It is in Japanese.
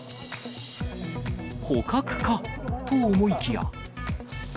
捕獲か？と思いきや。